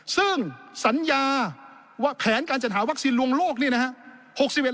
ซึ่งสัญญาว่าแผนการจัดหาวัคซีนลวงโลกนี่นะครับ